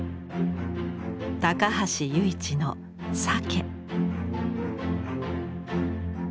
高橋由一の「鮭」。